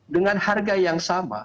dengan harga yang sama